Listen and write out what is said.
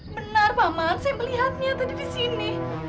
benar paman saya melihatnya tadi di sini